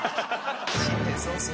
新年早々。